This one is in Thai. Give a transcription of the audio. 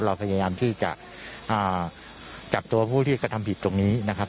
เราพยายามที่จะจับตัวผู้ที่กระทำผิดตรงนี้นะครับ